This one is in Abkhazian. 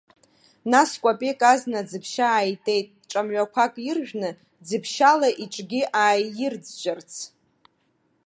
Нас кәапеик азна аӡыԥшьа ааитеит, ҿамҩақәак иржәны, ӡыԥшьала иҿгьы ааирӡәӡәарц.